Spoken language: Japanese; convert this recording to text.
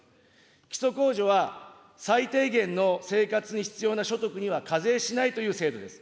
基礎控除は最低限の生活に必要な所得には課税しないという制度です。